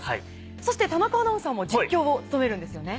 そして田中アナウンサーも実況を務めるんですよね。